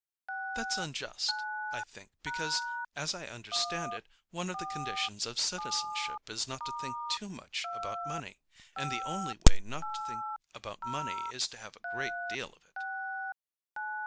"That's unjust, I think, because, as I understand it, one of the conditions of citizenship is not to think too much about money, and the only way not to think about money is to have a great deal of it."